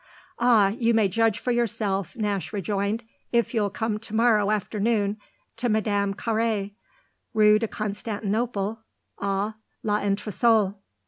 "Ah you may judge for yourself," Nash rejoined, "if you'll come to morrow afternoon to Madame Carré, Rue de Constantinople, à l'entresol."